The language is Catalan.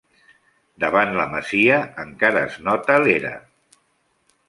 Davant la masia encara es nota l'era.